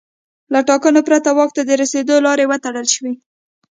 له ټاکنو پرته واک ته د رسېدو لارې وتړل شوې.